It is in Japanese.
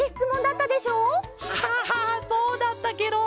はあそうだったケロ。